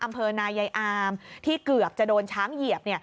อำเภอนายายอามที่เกือบจะโดนช้างเหยียบ